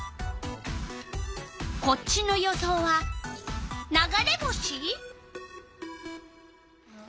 こっちの予想は「流れ星」？